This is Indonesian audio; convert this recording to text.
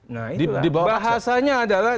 nah bahasanya adalah